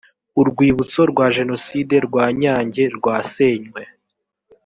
urwibutso rwa jenoside rwa nyange rwasenywe